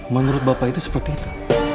menurut bapak itu seperti itu